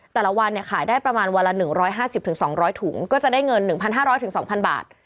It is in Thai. แต่ละวันขายได้ประมาณวันละ๑๕๐๒๐๐ถุงก็จะได้เงิน๑๕๐๐๒๐๐บาท